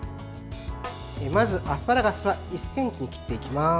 まずアスパラガスは１ｃｍに切っていきます。